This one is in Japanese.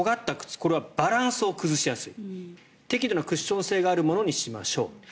とがった靴はバランスを崩しやすい適度なクッション性があるものにしましょう。